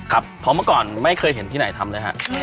ครับเพราะเมื่อก่อนไม่เคยเห็นที่ไหนทำเลยฮะ